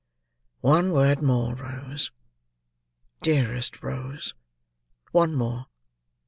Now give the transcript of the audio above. "One word more, Rose. Dearest Rose! one more!"